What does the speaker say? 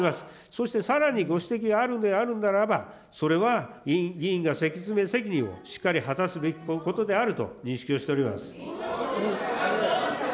そして、さらにご指摘があるんであるならば、それは議員が説明責任をしっかり果たすべきことであると認識をしております。